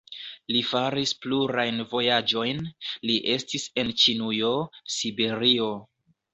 Li faris plurajn vojaĝojn, li estis en Ĉinujo, Siberio.